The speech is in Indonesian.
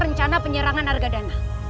rencana penyerangan argadana